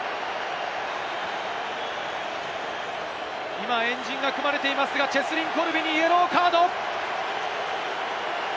今、円陣が組まれていますが、チェスリン・コルビにイエローカード。